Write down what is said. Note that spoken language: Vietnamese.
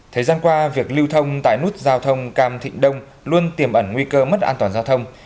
thời gian qua việc lưu thông tại nút giao thông cam thịnh đông luôn tiềm ẩn nguy cơ mất an toàn giao thông